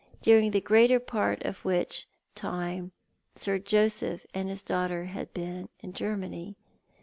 ^* 169 during the greater part of wEicli time Sir Joseph and his daughter had been in Germany.